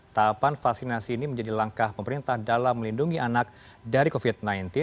tahapan vaksinasi ini menjadi langkah pemerintah dalam melindungi anak dari covid sembilan belas